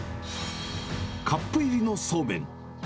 カップ入りのそうめん。